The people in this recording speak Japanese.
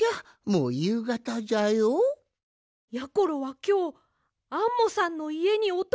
もうゆうがたじゃよ？やころはきょうアンモさんのいえにおとまりします！